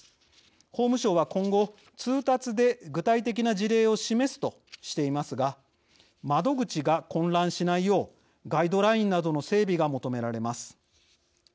法務省は今後、通達で具体的な事例を示すとしていますが窓口が混乱しないようガイドラインなどの整備が求められます。